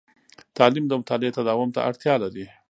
تعلیم د مطالعې تداوم ته اړتیا لري.